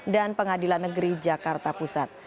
dan pengadilan negeri jakarta pusat